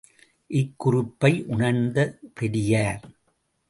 இக் குறிப்பை உணர்ந்த பெரியார்.